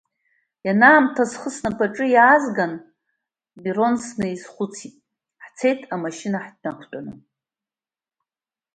Ианаамҭаз схы снапаҿы иаазган, Мирон снаиххәыцын, ҳцеит имашьына ҳнақәтәаны.